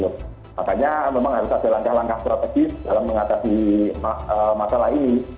makanya memang harus ada langkah langkah strategis dalam mengatasi masalah ini